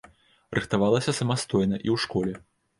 Рыхтавалася самастойна і ў школе.